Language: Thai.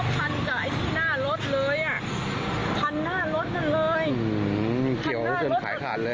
พันกับไอ้ที่หน้ารถเลยอ่ะพันหน้ารถนั่นเลยอืมเขียวจนขายขาดเลย